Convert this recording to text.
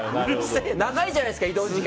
長いじゃないですか、移動時間。